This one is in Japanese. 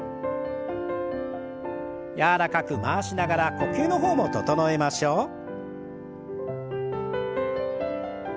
柔らかく回しながら呼吸の方も整えましょう。